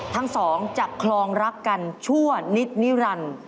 ทั้งสองจะคลองรักกันชั่วนิดนิรันดิ์